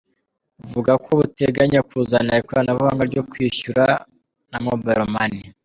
Buvuga ko buteganya kuzana ikoranabuhanga ryo kwishyura na Mobayili mani.